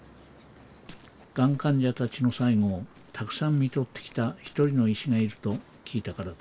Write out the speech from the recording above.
がん患者たちの最期をたくさんみとってきた一人の医師がいると聞いたからです。